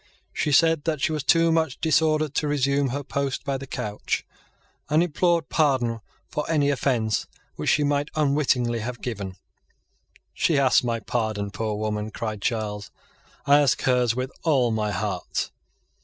She said that she was too much disordered to resume her post by the couch, and implored pardon for any offence which she might unwittingly have given. "She ask my pardon, poor woman!" cried Charles; "I ask hers with all my heart."